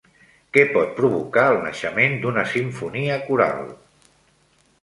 Què pot provocar el naixement d'una simfonia coral?